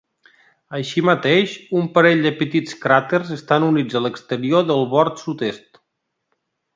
Així mateix, un parell de petits cràters estan units a l'exterior del bord sud-est.